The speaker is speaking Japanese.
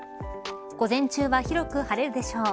午前中は広く晴れるでしょう。